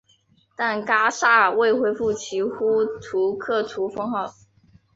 但噶厦未恢复其呼图克图封号。